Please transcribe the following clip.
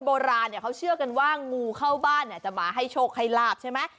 โบราณเนี่ยเขาเชื่อกันว่างูเข้าบ้านเนี่ยจะมาให้โชคให้ลาบใช่ไหม